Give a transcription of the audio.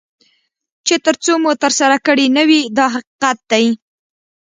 چې تر څو مو ترسره کړي نه وي دا حقیقت دی.